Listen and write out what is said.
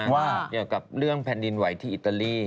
ว่าเกี่ยวกับเรื่องแผ่นดินไหวที่อิตาลี